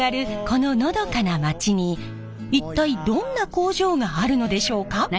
こののどかな町に一体どんな工場があるのでしょうか？